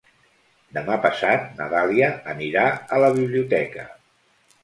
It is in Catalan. Demà passat na Dàlia anirà a la biblioteca.